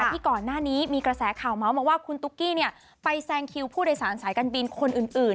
ที่ก่อนหน้านี้มีกระแสข่าวเมาส์มาว่าคุณตุ๊กกี้ไปแซงคิวผู้โดยสารสายการบินคนอื่น